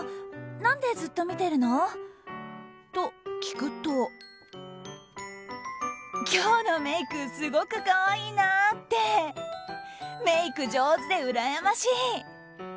何でずっと見てるの？と聞くと今日のメイクすごくかわいいなってメイク上手でうらやましい。